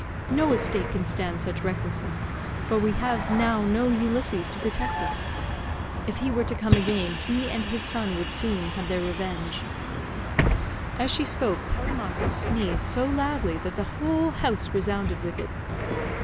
No estate can stand such recklessness, for we have now no Ulysses to protect us. If he were to come again, he and his son would soon have their revenge." As she spoke Telemachus sneezed so loudly that the whole house resounded with it.